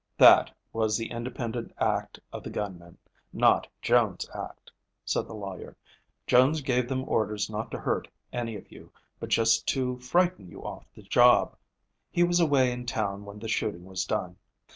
"That was the independent act of the gunmen, not Jones' act," said the lawyer. "Jones gave them orders not to hurt any of you, but just to frighten you off the job. He was away in town when the shooting was done.